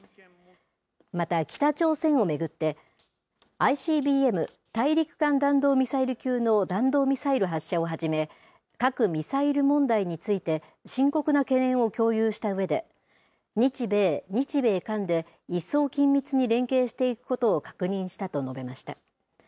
また北朝鮮を巡って、ＩＣＢＭ・大陸間弾道ミサイル級の弾道ミサイル発射をはじめ、核・ミサイル問題について、深刻な懸念を共有したうえで、日米、日米韓で、一層緊密に連携していくことを確認したと述べました。